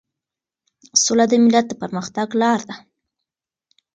سوله د ملت د پرمختګ لار ده.